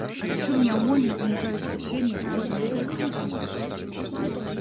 Адсюль няўмольна вынікаюць усе неабходныя якасці.